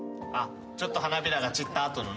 ちょっと花びらが散った後のね。